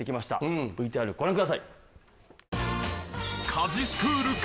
ＶＴＲご覧ください。